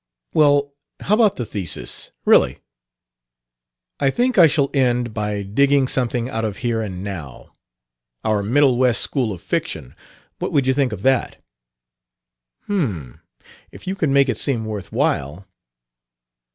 "Well, how about the thesis, really?" "I think I shall end by digging something out of Here and Now. 'Our Middle West School of Fiction,' what would you think of that?" "H'm! If you can make it seem worth while...."